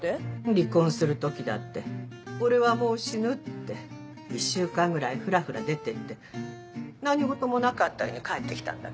離婚する時だって「俺はもう死ぬ」って１週間ぐらいフラフラ出ていって何事もなかったように帰ってきたんだから。